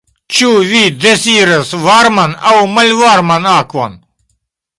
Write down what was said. Ĉu vi deziras varman aŭ malvarman akvon?